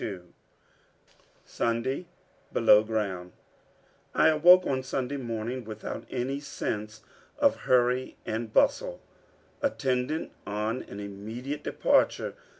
CHAPTER 22 SUNDAY BELOW GROUND I Awoke on Sunday morning without any sense of hurry and bustle attendant on an immediate departure.